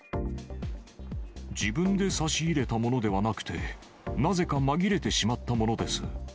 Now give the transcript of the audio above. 自分で差し入れたものではなくて、なぜか紛れてしまったものです。